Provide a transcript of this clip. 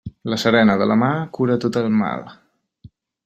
La serena de la mar cura de tot mal.